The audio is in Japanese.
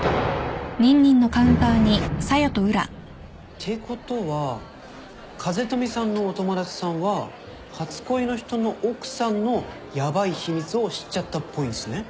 てことは風富さんのお友達さんは初恋の人の奥さんのヤバい秘密を知っちゃったっぽいんすね？